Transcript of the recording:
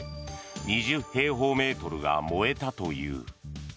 ２０平方メートルが燃えたという。